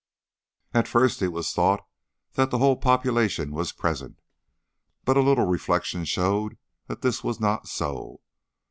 At first it was thought that the whole population was present, but a little reflection showed that this was not so.